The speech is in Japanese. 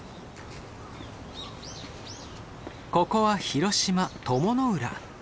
ここは広島・鞆の浦。